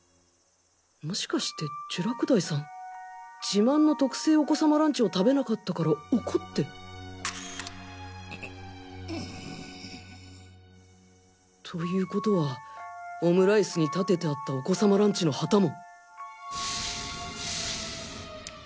もしかして聚楽大さん自慢の「特製お子さまランチ」を食べなかったから怒って。という事はオムライスに立ててあったお子さまランチの旗も。